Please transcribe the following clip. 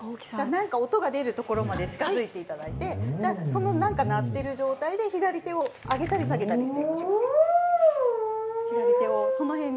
何か音が出るところまで近づいてもらって、その鳴っている状態で左手を上げたり下げたりして。